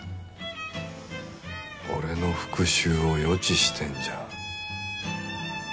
俺の復讐を予知してんじゃん。